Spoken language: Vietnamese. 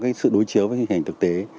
và nó có sự đối chiếu với hình hình thực tế